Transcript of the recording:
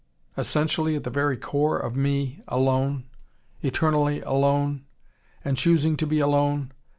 Essentially, at the very core of me, alone. Eternally alone. And choosing to be alone.